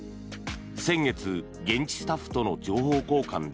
先月現地スタッフとの情報交換で